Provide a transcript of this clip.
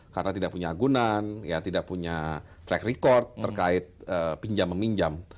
karena tidak punya agunan ya tidak punya track record terkait pinjam menginjam